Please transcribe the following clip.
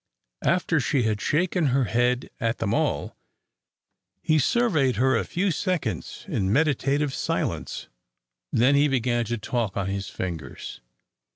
After she had shaken her head at them all, he surveyed her a few seconds in meditative silence. Then he began to talk on his fingers.